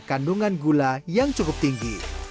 kandungan gula yang cukup tinggi